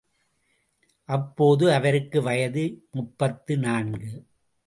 அப்போது அவருக்கு வயது முப்பத்து நான்கு!